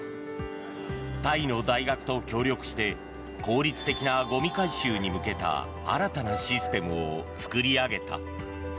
タイの大学と協力して効率的なゴミ回収に向けた新たなシステムを作り上げた。